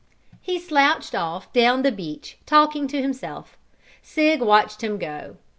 He slouched off down the beach, talking to himself. Sig watched him go.